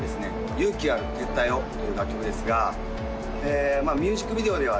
「勇気ある撤退を」という楽曲ですがミュージックビデオではですね